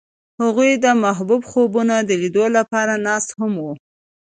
هغوی د محبوب خوبونو د لیدلو لپاره ناست هم وو.